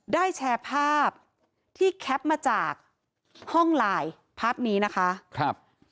แชร์ภาพที่แคปมาจากห้องไลน์ภาพนี้นะคะครับ